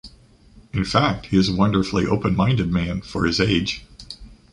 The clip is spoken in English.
In fact, he is a wonderfully open-minded man for his age.